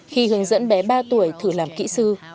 khi hướng dẫn bé ba tuổi thử làm kỹ sư